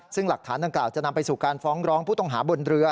ซึ่งหลักฐานดังกล่าวจะนำไปสู่การฟ้องร้องผู้ต้องหาบนเรือ